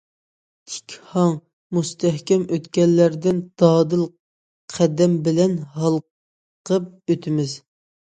‹‹ تىك ھاڭ، مۇستەھكەم ئۆتكەللەردىن دادىل قەدەم بىلەن ھالقىپ ئۆتىمىز››.